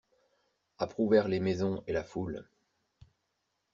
Approuvèrent les maisons et la foule.